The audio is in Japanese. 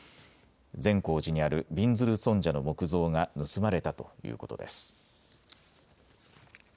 善光寺にあるびんずる尊者の木像が盗まれたということです。